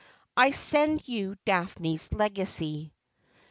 I send you Daphne's legacy.'